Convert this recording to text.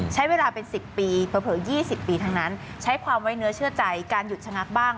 ใช้เวลาเป็น๑๐ปีเผลอ๒๐ปีทั้งนั้นใช้ความไว้เนื้อเชื่อใจการหยุดชะงักบ้าง